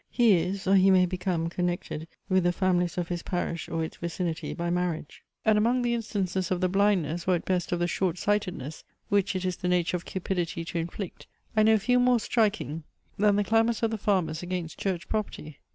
He is, or he may become, connected, with the families of his parish or its vicinity by marriage. And among the instances of the blindness, or at best of the short sightedness, which it is the nature of cupidity to inflict, I know few more striking than the clamours of the farmers against Church property.